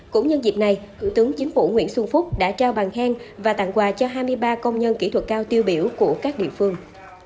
cũng nhân dịp này thủ tướng chính phủ nguyễn xuân phúc đã trao bàn khen và tặng quà cho hai mươi ba công nhân kỹ thuật cao tiêu biểu của các địa phương